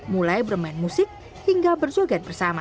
mulai bermain musik hingga berjoget bersama